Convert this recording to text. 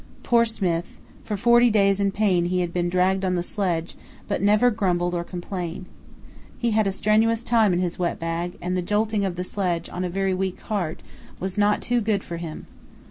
Poor Smith, for forty days in pain he had been dragged on the sledge, but never grumbled or complained. He had a strenuous time in his wet bag, and the jolting of the sledge on a very weak heart was not too good for him.